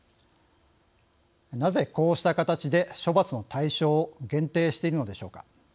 なぜこうした形で処罰の対象を限定しているのでしょうか。